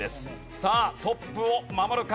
さあトップを守るか？